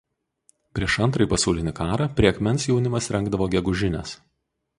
Prieš Antrąjį pasaulinį karą prie akmens jaunimas rengdavo gegužines.